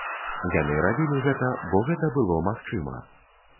Яны рабілі гэта, бо гэта было магчыма.